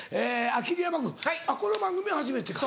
桐山君この番組は初めてか。